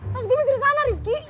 terus gue masih disana rifki